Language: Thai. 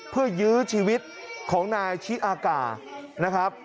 เพื่อยื้อชีวิตของนายชิอากานะครับ